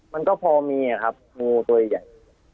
มันก็พอมีครับงูตัวใหญ่